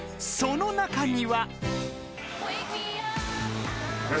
［その中には］